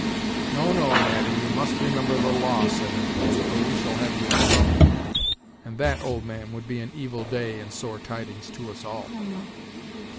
"No, no, Natty, you must remember the law," said Edwards, "or we shall have you in trouble; and that, old man, would be an evil day and sore tidings to us all."